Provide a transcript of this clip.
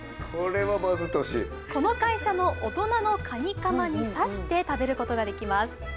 この会社の大人のカニカマに差して食べることができます。